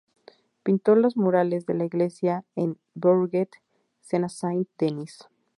Pintó los murales de la iglesia en Bourget Sena-Saint-Denis.